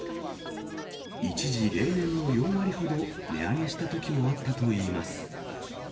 一時、例年の４割ほど値上げしたときもあったといいます。